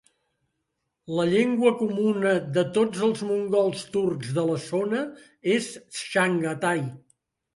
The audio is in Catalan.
La llengua comuna de tots els mongols turcs de la zona és Chaghatay.